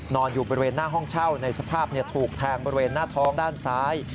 อยู่บริเวณหน้าห้องเช่าในสภาพถูกแทงบริเวณหน้าท้องด้านซ้าย